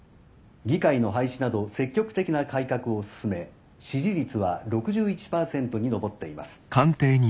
議会の廃止など積極的な改革を進め支持率は６１％に上っています」。